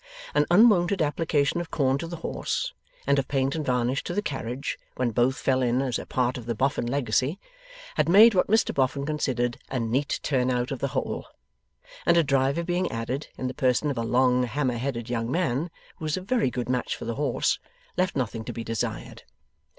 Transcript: An unwonted application of corn to the horse, and of paint and varnish to the carriage, when both fell in as a part of the Boffin legacy, had made what Mr Boffin considered a neat turn out of the whole; and a driver being added, in the person of a long hammer headed young man who was a very good match for the horse, left nothing to be desired.